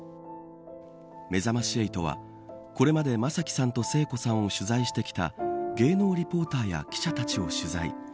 めざまし８は、これまで正輝さんと聖子さんを取材してきた芸能リポーターや記者たちを取材。